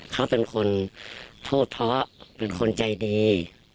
เขาเป็นคนพูดเพราะเป็นคนใจดี